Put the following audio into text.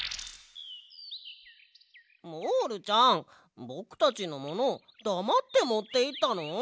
モールちゃんぼくたちのものだまってもっていったの？